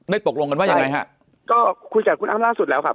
ตกลงกันว่ายังไงฮะก็คุยกับคุณอ้ำล่าสุดแล้วครับ